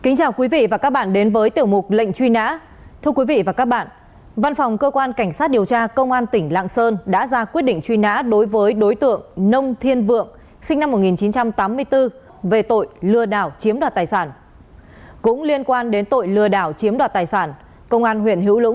hãy đăng ký kênh để ủng hộ kênh của chúng mình nhé